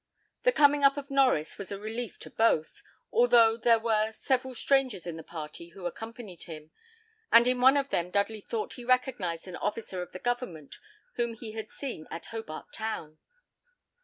The coming up of Norries was a relief to both, although there were several strangers in the party who accompanied him, and in one of them Dudley thought he recognised an officer of the government whom he had seen at Hobart Town.